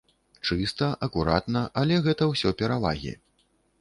Чыста, акуратна, але гэта ўсё перавагі.